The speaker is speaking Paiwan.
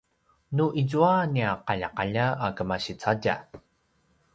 nu izua a nia qaljaqalja a kemasi cadja